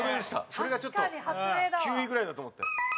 それがちょっと９位ぐらいだと思って。